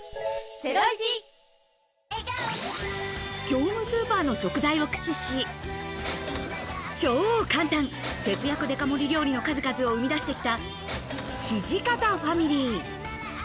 業務スーパーの食材を駆使し、超簡単節約デカ盛り料理の数々を生み出してきた土方ファミリー。